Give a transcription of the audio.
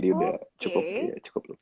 iya kita juga udah cukup lama